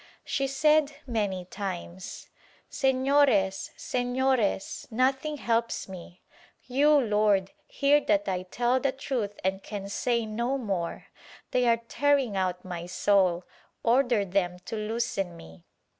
She said many times, "Senores, Senores, nothing helps me. You, Lord, hear that I tell the truth and can say no more — they are tearing out my soul — order them to loosen me."